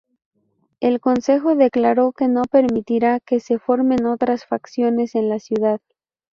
El consejo declaró que no permitirá que se formen otras facciones en la ciudad.